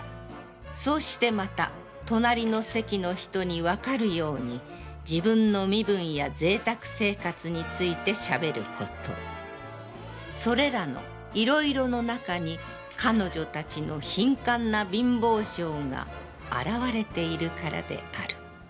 そうしてまた隣りの席の人に判るように自分の身分や贅沢生活について喋ること、それらのいろいろの中に彼女たちの貧寒な貧乏性が現われているからである」。